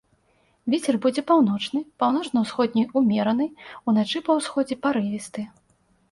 Вецер будзе паўночны, паўночна-усходні ўмераны, уначы па ўсходзе парывісты.